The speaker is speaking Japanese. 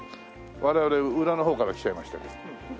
我々裏の方から来ちゃいましたけど。